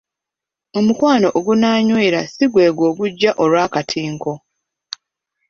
Omukwano ogunaanywera si gwegwo ogujja olw'akatinko.